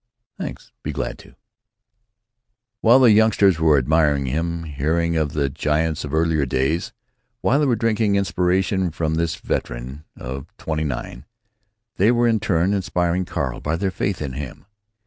"Thanks. Be glad to." While the youngsters were admiring him, hearing of the giants of earlier days, while they were drinking inspiration from this veteran of twenty nine, they were in turn inspiring Carl by their faith in him.